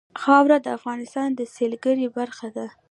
خاوره د افغانستان د سیلګرۍ برخه ده.